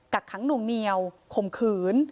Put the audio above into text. กะขังหนูเมียวขวมขืน